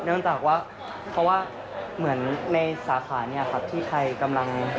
เนื่องจากว่าเพราะว่าเหมือนในสาขาที่ใครกำลัง